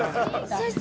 先生。